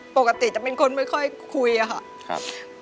ปกติจะเป็นคนไม่ค่อยคุยอะค่ะ